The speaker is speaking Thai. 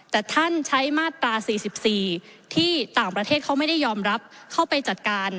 แต่ท่านใช้มาตรา๔๔ที่ต่างประเทศเขาไม่ได้ยอมรับเข้าไปจัดการ